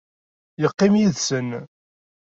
Yeqqim yid-sen.